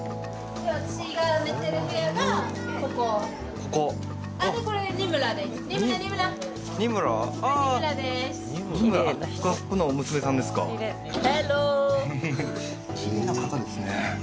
きれいな方ですね